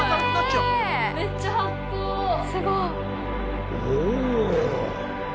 すごい！お！